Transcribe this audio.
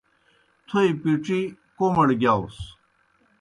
تھوئے پِڇِی کوْمَڑ گِیاؤس۔